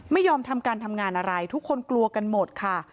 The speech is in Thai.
ไม่ยอมทำการทำงานอะไรทุกคนกลัวกันหมดค่ะ